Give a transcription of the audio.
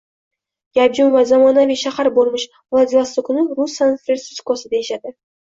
gavjum va zamonaviy shahar bo‘lmish Vladivostokni rus San-Fransiskosi deyishadi.